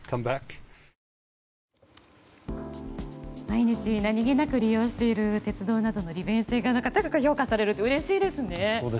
毎日、何気なく利用している鉄道などの利便性が高く評価されるとうれしいですね。